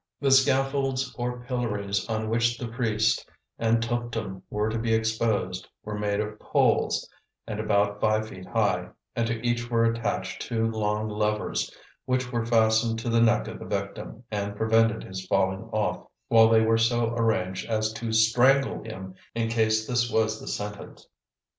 The scaffolds or pillories on which the priest and Tuptim were to be exposed were made of poles, and about five feet high; and to each were attached two long levers, which were fastened to the neck of the victim, and prevented his falling off, while they were so arranged as to strangle him in case this was the sentence.